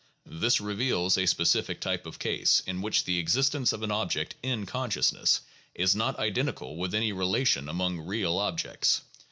This reveals a specific type of case in which the existence of an object "in consciousness" is not identical with any relation among "real" objects.